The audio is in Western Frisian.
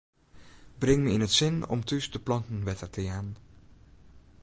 Bring my yn it sin om thús de planten wetter te jaan.